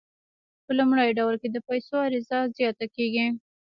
په لومړي ډول کې د پیسو عرضه زیاته کیږي.